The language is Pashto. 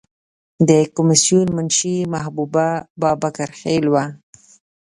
د کمیسیون منشی محبوبه بابکر خیل وه.